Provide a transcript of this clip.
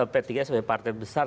p tiga sebagai partai besar